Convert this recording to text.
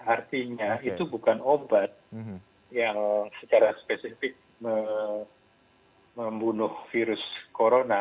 artinya itu bukan obat yang secara spesifik membunuh virus corona